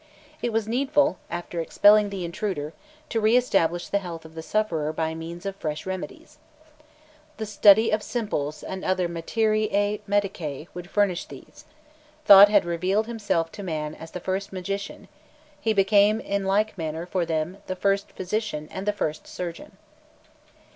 It was needful, after expelling the intruder, to re establish the health of the sufferer by means of fresh remedies. The study of simples and other materiæ medicæ would furnish these; Thot had revealed himself to man as the first magician, he became in like manner for them the first physician and the first surgeon.